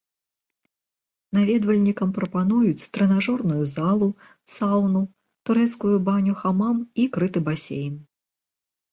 Наведвальнікам прапануюць трэнажорную залу, саўну, турэцкую баню хамам і крыты басейн.